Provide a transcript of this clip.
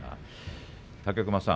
武隈さん